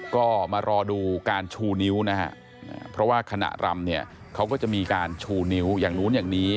ก็มารอดูการชูนิ้วนะฮะเพราะว่าขณะรำเนี่ยเขาก็จะมีการชูนิ้วอย่างนู้นอย่างนี้